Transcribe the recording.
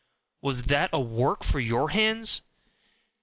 Was that a work for your hands?